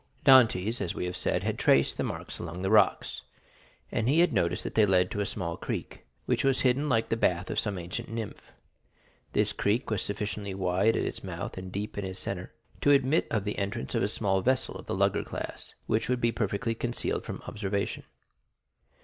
Dantès, as we have said, had traced the marks along the rocks, and he had noticed that they led to a small creek, which was hidden like the bath of some ancient nymph. This creek was sufficiently wide at its mouth, and deep in the centre, to admit of the entrance of a small vessel of the lugger class, which would be perfectly concealed from observation.